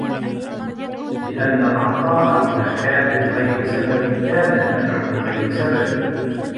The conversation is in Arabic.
لِأَنَّ الْعَطَاءَ إذَا كَانَ لِغَيْرِ سَبَبٍ كَانَ الْمَنْعُ لِغَيْرِ سَبَبٍ